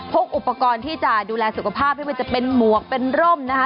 อุปกรณ์ที่จะดูแลสุขภาพไม่ว่าจะเป็นหมวกเป็นร่มนะคะ